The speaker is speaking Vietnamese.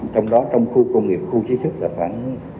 trong đó trong khu công nghiệp khu chí sức là khoảng